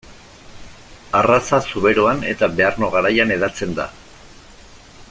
Arraza Zuberoan eta Bearno Garaian hedatzen da.